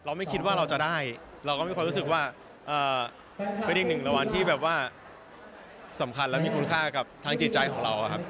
ไม่คิดว่าเราจะได้เราก็มีความรู้สึกว่าเป็นอีกหนึ่งรางวัลที่แบบว่าสำคัญและมีคุณค่ากับทางจิตใจของเราครับ